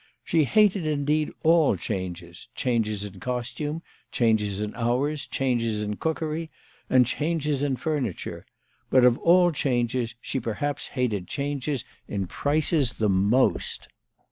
She hated, indeed, all changes, changes in costume, changes in hours, changes in cookery, and changes in furniture ; but of all changes she perhaps hated changes in prices the most.